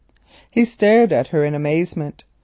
He stared at her in amazement.